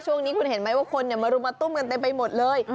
ช่วงนี้คุณเห็นไหมว่าคนมารุมมาตุ้มกันเต็มไปหมดเลย